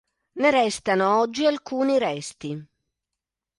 Ne restano oggi alcuni resti.